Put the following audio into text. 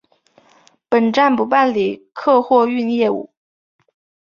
本站不办理客货运业务。